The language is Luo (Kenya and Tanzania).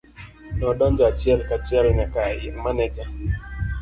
Nodonjo achiel kachiel nyaka ir maneja.